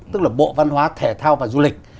tức là bộ văn hóa thể thao và du lịch